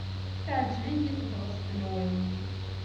Teɛjeb-iyi tebɣest-nwen.